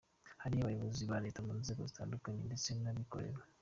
Hari abayobozi ba Leta mu nzego zitandukanye ndetse n'abikorera.